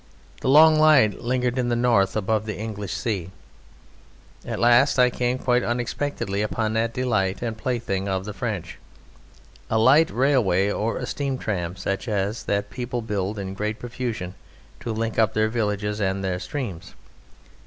The long light lingered in the north above the English sea. At last I came quite unexpectedly upon that delight and plaything of the French: a light railway, or steam tram such as that people build in great profusion to link up their villages and their streams.